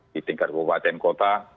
di tingkat kabupaten kota